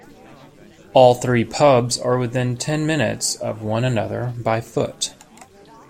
All three pubs are within ten minutes of one another by foot.